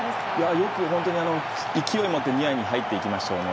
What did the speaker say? よく勢いに乗ってニアに入っていきましたよね。